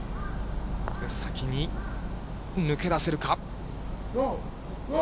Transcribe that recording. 先に抜け出せるか。